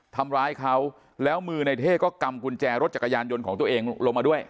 ทำร้ายเขาแล้วมือในเท่ก็กำกุญแจรถจักรยานยนต์ของตัวเองลงมาด้วย